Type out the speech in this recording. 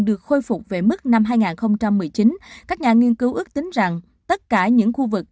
được khôi phục về mức năm hai nghìn một mươi chín các nhà nghiên cứu ước tính rằng tất cả những khu vực